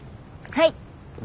はい。